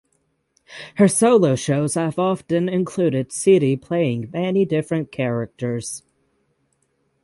Her solo shows have often included Sidi playing many different characters.